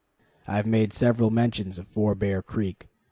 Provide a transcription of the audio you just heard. I have made several mentions of Four Bear Creek.